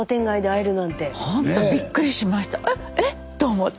「えっえ？」と思って。